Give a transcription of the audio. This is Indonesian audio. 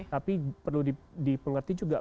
tapi perlu dipengerti juga